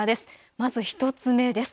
まず１つ目です。